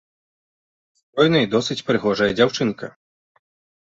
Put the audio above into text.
Стройная і досыць прыгожая дзяўчынка.